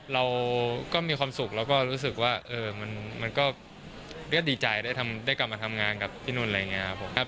เราก็มีความสุขแล้วก็รู้สึกว่ามันก็ดีใจได้กลับมาทำงานกับพี่นุ่นอะไรอย่างนี้ครับผม